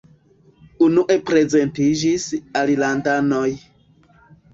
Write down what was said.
Unue prezentiĝis alilandanoj.